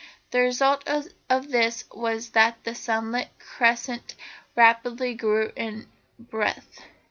The result of this was that the sunlit crescent rapidly grew in breadth.